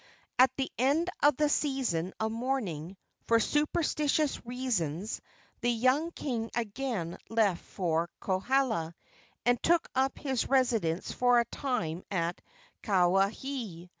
At the end of the season of mourning, for superstitious reasons the young king again left for Kohala, and took up his residence for a time at Kawaihae.